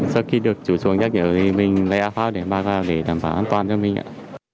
sau khi được chủ xuồng nhắc nhở thì mình lấy áo pháo để mang vào để đảm bảo an toàn cho mình ạ